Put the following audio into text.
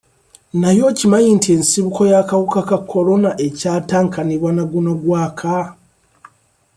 Naye okimanyi nti ensibuko y'akawuka ka Corona ekyatankanibwa na guno gwaka?